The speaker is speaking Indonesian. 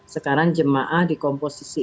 sekarang jemaah di komposisi